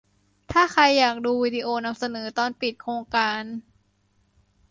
ถ้าใครอยากดูวิดีโอนำเสนอตอนปิดโครงการ